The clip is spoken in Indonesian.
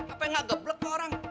apa yang gak geblek ke orang